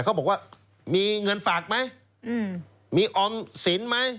เขาบอกว่ามีเงินฝากไหมมีออมสินไหม